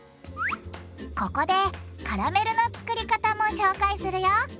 ここでカラメルの作り方も紹介するよ。